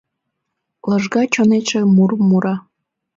Лыжга чонетше мурым Мура.